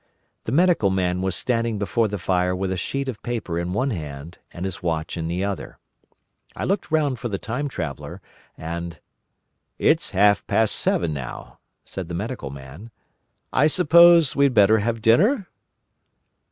The Medical Man was standing before the fire with a sheet of paper in one hand and his watch in the other. I looked round for the Time Traveller, and—"It's half past seven now," said the Medical Man. "I suppose we'd better have dinner?"